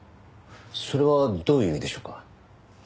それはどういう意味でしょうか？